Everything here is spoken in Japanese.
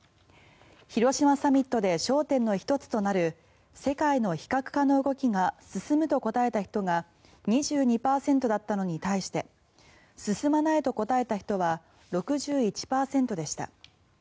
広島サミットで焦点の１つとなる世界の非核化の動きが進むと答えた人が２２％だったのに対して進まないと答えた人は６１％でした。